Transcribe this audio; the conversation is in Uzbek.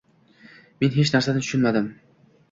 Men hech narsani tushunmadim.